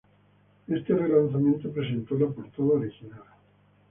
Este relanzamiento presentó la portada original.